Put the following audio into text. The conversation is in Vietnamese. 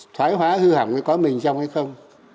thoái hóa hư hẳng có mình trong hay không